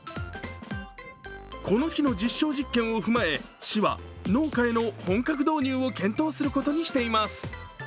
この日の実証実験を踏まえ市は農家への本格導入を検討することにしています。